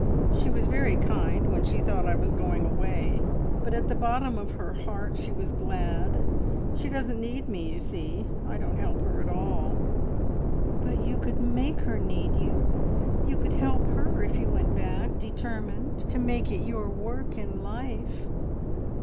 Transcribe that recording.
She was very kind when she thought I was going away, but at the bottom of her heart she was glad. She doesn't need me, you see! I don't help her at all." "But you could make her need you! You could help her if you went back determined to make it your work in life!"